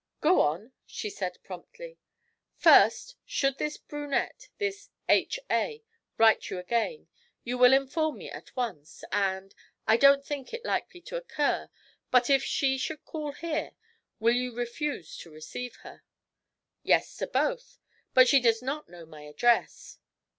'Go on,' she said promptly. 'First, should this brunette, this "H. A.," write you again, will you inform me at once, and I don't think it likely to occur, but if she should call here, will you refuse to receive her?' 'Yes to both. But she does not know my address.'